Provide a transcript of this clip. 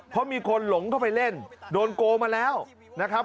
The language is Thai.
เพราะมีคนหลงเข้าไปเล่นโดนโกงมาแล้วนะครับ